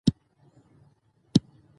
مېلې د ټولني د اتحاد او ورورولۍ نخښه ده.